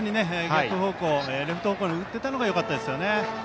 レフト方向に打てたのがよかったですね。